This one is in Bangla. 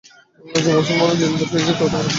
একজন মুসলমানও জিন্দা ফিরে যেতে দেবো না।